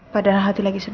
padahal hati lagi sedih